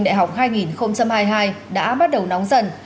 đại học hai nghìn hai mươi hai đã bắt đầu nóng dần